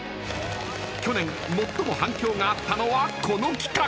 ［去年最も反響があったのはこの企画］